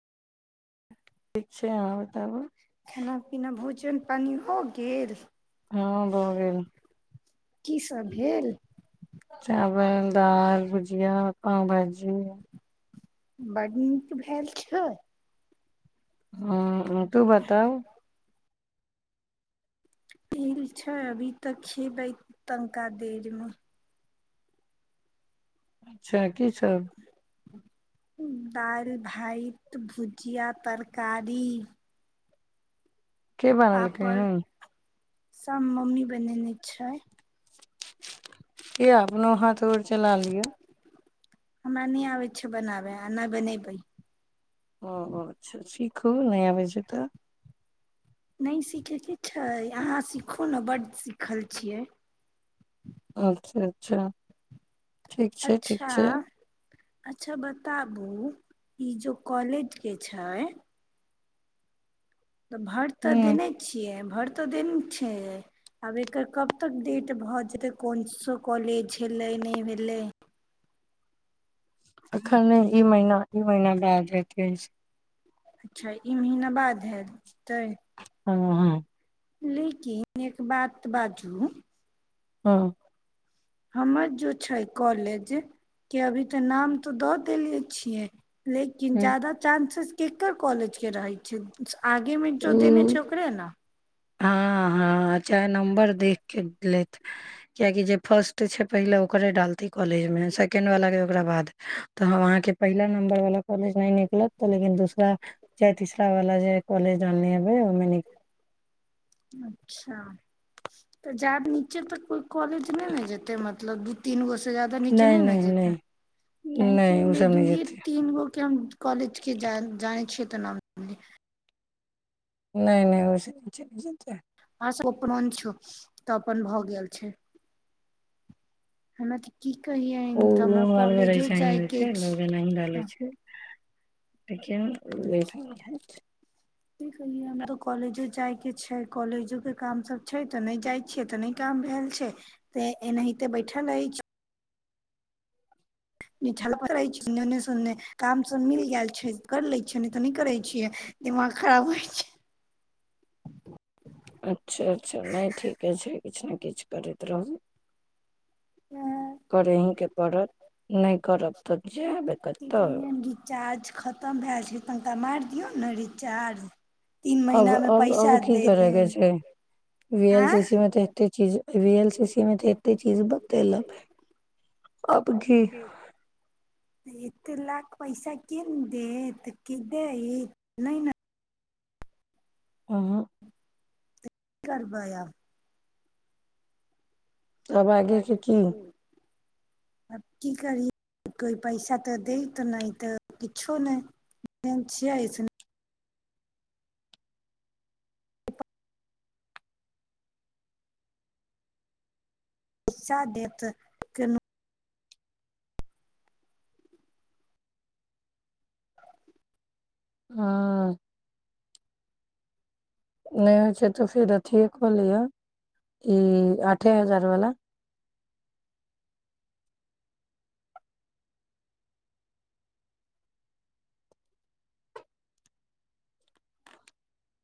ठीक छै, अहाँ बताबु? खाना पीना भोजन पानी हो गेल? हँ भ गेल। की सब भेल? चावल दाल भुजिया पाव भाजी या। बड नीक भाएल छय। हँ आ तू बताउ? भेल छय अभी त खेबै तनिका देर मे। अच्छा की सब? दालि भाइत भुजिया तरकारी। के बनेलकै पापड़, हन सब मम्मी बनेने छय। किया अपनो हाथ गोर चला लिअ। हमरा नै आबै छै बनाबे आ ने बनेबै। ओ-ओ अच्छा, सीखु नै आबै छै त। नै सीखैके इच्छा अइ। अहाँ सीखू न बड्ड सीखल छियै। अच्छा-अच्छा। अच्छा। अच्छा बताबु ई जे कॉलेज के छै? त भर त ह देने छियै, भर त देने छै। आब एकर कब तक डेट भ जेतै। कोन सा कॉलेज भेलै नै भेलै। अखन नै ई महीना, ई महीना बाद हेतै ई अच्छा ई महीना बाद हेतै। हँ लेकिन एक बात बाजू हँ। हमर जे छै कॉलेज, के अभी त नाम त द देले छियै। लेकिन हँ जादा चांसेज केकर कॉलेज के रहै छै? आगे मे जं देने छै ओ ओकरे न हँ हँ चाहे नम्बर देख के लेत। किएकि जे फर्स्ट छै पहिले ओकरे डालतै कॉलेज में, सेकेंड बलाके ओकरा बाद। त हॅं अहाँ के पहिला नंबर बला कॉलेज नै निकलत त लेकिन दूसरा चाहे तीसरा बला जे काॅलेज देने हेबै ओइमे निक अच्छा त [inaudible] जाब नीचे तक कोइ कॉलेज नै ने जेतै मतलब दू तीन गो से जादा नीचे नहि नै ने नहि जेतै। नहि [inaudible] नहि ओ काहेकि सब नहि दूइये जेतै तीन गो के हम कॉलेज के जान, जानै छियै त नाम नै नै, ओइ से नीचे नै जेतै। अहाॅं सब अपन छी त अपन भ गेल छै। [unintelligible] की कहियै? ओ हमेशा ही होइ छै, लोक एनाही डालै छै [inaudible] लेकिन [unintelligible] कि कही हमरा त कॉलेजो जाइ के छै, कॉलेजो के काम सब छै त नै जाइ छियै त नै काम भेल छै त एनाहीते बैठल रहै छी। निठलका रहै छी एने से ओने। काम सब मिल गेल छै त कर लै छियै नै त नै करै छियै दिमाग खराब होइ छै। अच्छा-अच्छा, नै ठीके छै किछ ने किछ करैत रहू। छै कर अहीके पड़त। नहि करब तऽ जेब कतऽ। चार्ज खतम भेल छै तनिका मारि दियौ न रीचार्ज। अब अब अब की करअ के देब छै वी एल सी सी आँय में तऽ एते चीज वी एल सी सी में त एते चीज बतेलेनहे आब की एते लाख पैइसा के देत के दैत नहि ने। अहॅं। की करबै आब? आब आगे के की होत? आब की करी कोइ पैइसा तऽ दैत नहि तऽ किछो नहि। केहन छियै स पैइसा देत। केन हँ। नहि होइ छौ त फेर अथिए क लिहा ई आठे हजार वाला।